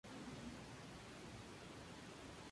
Las manchas de los hombros varían en tamaño según las regiones.